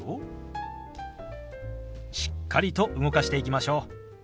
しっかりと動かしていきましょう。